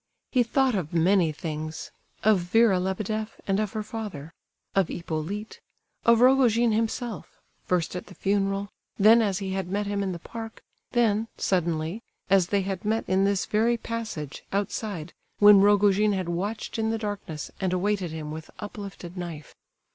He thought of many things—of Vera Lebedeff, and of her father; of Hippolyte; of Rogojin himself, first at the funeral, then as he had met him in the park, then, suddenly, as they had met in this very passage, outside, when Rogojin had watched in the darkness and awaited him with uplifted knife.